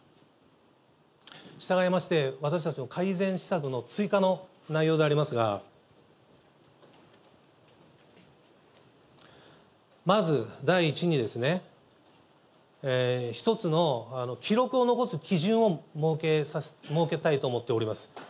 したがいまして、私たちの改善施策の追加の内容でありますが、まず第一に、一つの記録を残す基準を設けたいと思っております。